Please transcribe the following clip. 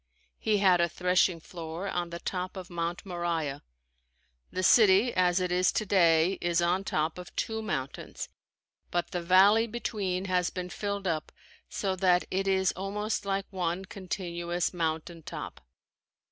He had a threshing floor on the top of Mount Moriah. The city as it is today is on top of two mountains, but the valley between has been filled up so that it is almost like one continuous mountain top.